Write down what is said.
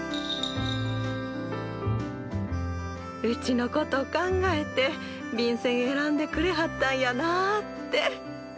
うちのこと考えて便せん選んでくれはったんやなって。